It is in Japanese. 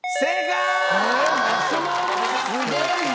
すごいな！